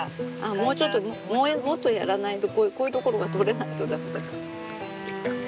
もうちょっともっとやらないとこういう所が取れないと駄目だから。